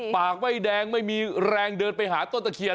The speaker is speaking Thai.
ปากไม่แดงไม่มีแรงเดินไปหาต้นตะเคียน